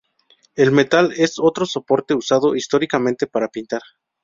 El metal es otro soporte usado históricamente para pintar.